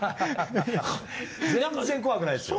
全然怖くないですよ。